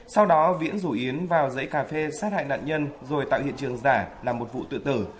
sau đó viễn rủ yến vào dãy cà phê sát hại nạn nhân rồi tạo hiện trường giả là một vụ tự tử